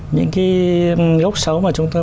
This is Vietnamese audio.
những cái gốc xấu mà chúng tôi